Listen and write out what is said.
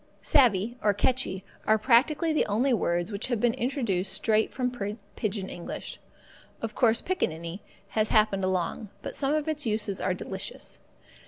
Savvee or catchee are practically the only words which have been introduced straight from pigeon English. Of course, pickaninny has happened along, but some of its uses are delicious.